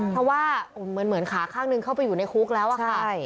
เพราะว่าเหมือนขาข้างหนึ่งเข้าไปอยู่ในคุกแล้วอะค่ะ